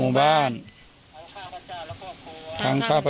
สวัสดีครับ